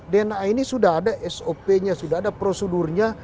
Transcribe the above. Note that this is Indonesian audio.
dna ini sudah ada sop nya sudah ada prosedurnya